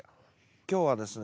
今日はですね